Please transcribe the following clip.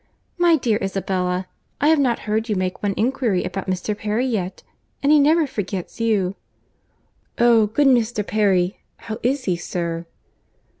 My dear Isabella, I have not heard you make one inquiry about Mr. Perry yet; and he never forgets you." "Oh! good Mr. Perry—how is he, sir?"